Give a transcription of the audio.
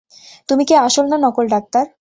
তুমি কি আসল না নকল ডাক্তার?